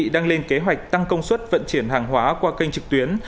đang lên kế hoạch tăng công suất vận chuyển hàng hóa qua kênh trực tuyến